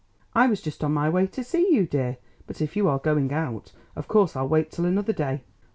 "I was just on my way to see you, dear; but if you are going out, of course I'll wait till another day.